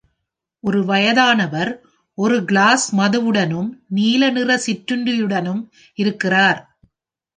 ஒரு வயதானவர் ஒரு கிளாஸ் மதுவுடனும் நீல நிற சிற்றுண்டியுடனும் இருக்கிறார்.